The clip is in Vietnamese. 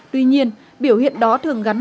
tuy nhiên biểu hiện đó thường gắn